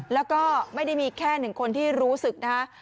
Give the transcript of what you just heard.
แล้วก็ไม่ได้มีแค่หนึ่งคนที่รู้สึกนะฮะ